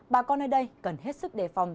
bà con ở đây cần hết sức đề phòng